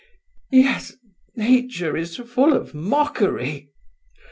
Yes, nature is full of mockery!